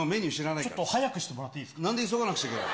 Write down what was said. ちょっと早くしてもらっていなんで急がなくちゃいけない。